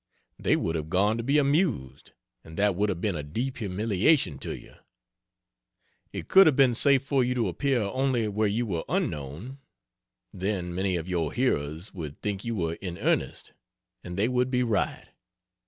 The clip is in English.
They would have gone to be amused and that would have been a deep humiliation to you. It could have been safe for you to appear only where you were unknown then many of your hearers would think you were in earnest. And they would be right.